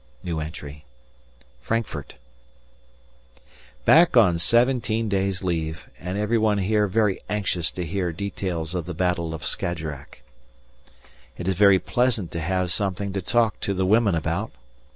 Frankfurt. Back on seventeen days' leave, and everyone here very anxious to hear details of the battle of Skajerack. It is very pleasant to have something to talk to the women about.